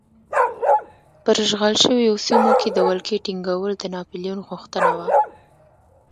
پر اشغال شویو سیمو د ولکې ټینګول د ناپلیون غوښتنه وه.